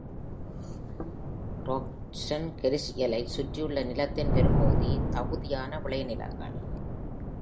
Crookston கெரியலைச் சுற்றியுள்ள நிலத்தின் பெரும்பகுதி தகுதியான விளைநிலங்கள்.